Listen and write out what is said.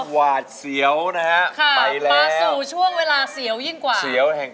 เมื่อเจ้าแร่ก็เลี่ยง